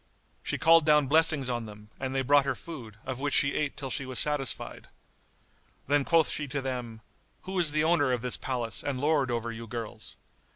She called down blessings on them and they brought her food, of which she ate till she was satisfied. Then quoth she to them, "Who is the owner of this palace and lord over you girls?"